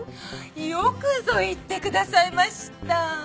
よくぞ言ってくださいました！